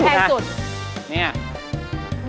นิดนึงว่าของแทนสุด